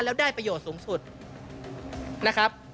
แล้วได้ประโยชน์สูงสุดนะครับ